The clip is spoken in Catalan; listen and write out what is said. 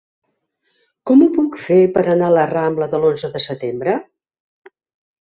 Com ho puc fer per anar a la rambla de l'Onze de Setembre?